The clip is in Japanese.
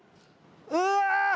うわ！